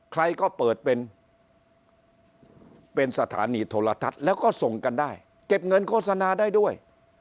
ใครก็เปิดเป็นสถานีโทรทัศน์แล้วก็ส่งกันได้เก็บเงินโฆษณาได้ด้วย